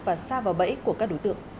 và xa vào bẫy của các đối tượng